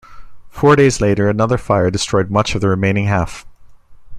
Four days later another fire destroyed much of the remaining half.